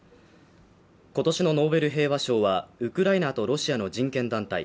今年のノーベル平和賞はウクライナとロシアの人権団体